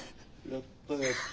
やったやった。